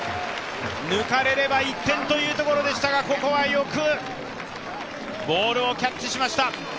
抜かれれば１点というところでしたがここはよくボールをキャッチしました！